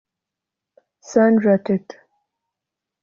Sandra Teta